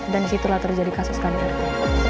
dan disitulah terjadi kasus kdrt